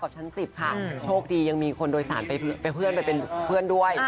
โชคดียังมีคนโดยสารเป็นเพื่อนด้วย